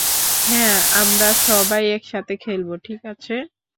হ্যাঁ, আমরা সবাই একসাথে খেলব, ঠিক আছে।